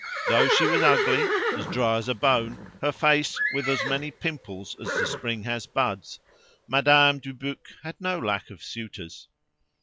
Though she was ugly, as dry as a bone, her face with as many pimples as the spring has buds, Madame Dubuc had no lack of suitors.